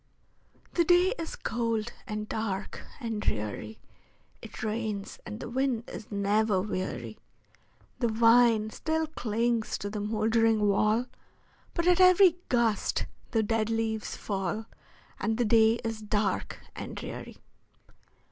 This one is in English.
The day is cold, and dark, and dreary; It rains, and the wind is never weary; The vine still clings to the moldering wall, But at every gust the dead leaves fall, And the day is dark and dreary.